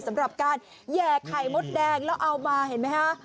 สำหรับการแห่ไข่มดแดงแล้วเอามาเห็นไหมคะ